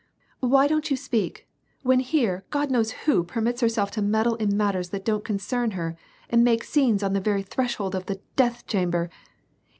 " Why don't you speak, when here God knows who permits herself t o meddle in matters that don't concern her, and make scenes on the very threshold of the death chamber